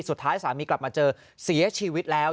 สุดท้ายสามีกลับมาเจอเสียชีวิตแล้ว